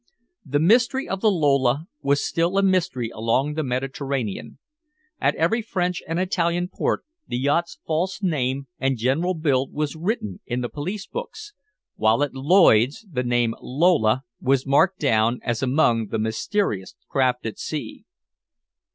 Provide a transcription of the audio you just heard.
The mystery of the Lola was still a mystery along the Mediterranean. At every French and Italian port the yacht's false name and general build was written in the police books, while at Lloyd's the name Lola was marked down as among the mysterious craft at sea.